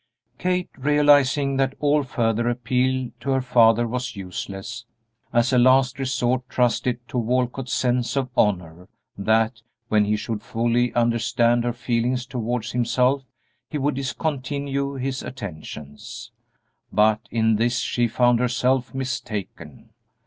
Kate, realizing that all further appeal to her father was useless, as a last resort trusted to Walcott's sense of honor, that, when he should fully understand her feelings towards himself, he would discontinue his attentions. But in this she found herself mistaken.